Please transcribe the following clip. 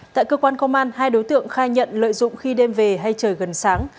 tại cơ quan công an hai đối tượng khai nhận lợi dụng khi đêm về hay trời gần sáng